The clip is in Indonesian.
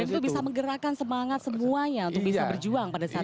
dan itu bisa menggerakkan semangat semuanya untuk bisa berjuang pada saat itu